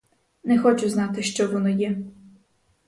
Не хочу знати, що воно є!